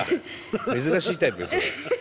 珍しいタイプよそれ。